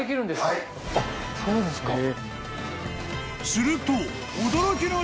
［すると］